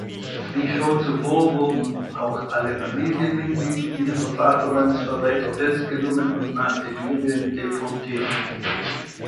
Wie schon zuvor wurden auch alle Familienmitglieder dieser „Vaterlandsverräter“ festgenommen und nach Sibirien deportiert.